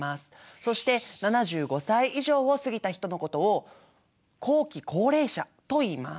そして７５歳以上を過ぎた人のことを後期高齢者といいます。